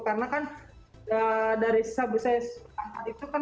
karena kan dari sisa busa itu kan